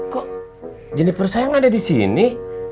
kok jendeper saya gak ada disini